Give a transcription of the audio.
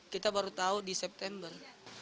kita baru tahu di september dua ribu delapan belas